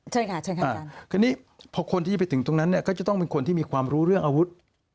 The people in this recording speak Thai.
เชิญค่ะค่ะคนนี้พอคนที่จะไปถึงตรงนั้นก็จะต้องเป็นคนที่มีความรู้เรื่องอาวุธ